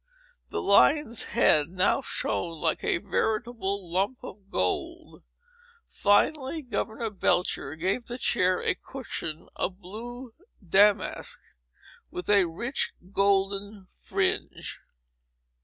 The lion's head now shone like a veritable lump of gold. Finally, Governor Belcher gave the chair a cushion of blue damask, with a rich golden fringe.